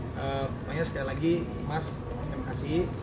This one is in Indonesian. pokoknya sekali lagi mas terima kasih